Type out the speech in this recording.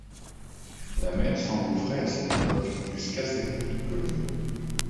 La mer s'engouffrait à cette époque jusqu'à cette petite colonie.